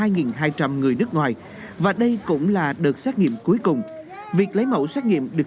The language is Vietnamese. những người nước ngoài và đây cũng là đợt xét nghiệm cuối cùng việc lấy mẫu xét nghiệm được